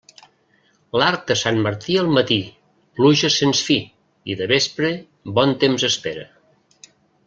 L'arc de Sant Martí al matí, pluja sense fi, i de vespre, bon temps espera.